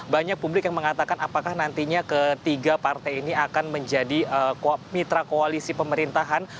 banyak publik yang mengatakan apakah nantinya ketiga partai ini akan menjadi mitra koalisi pemerintahan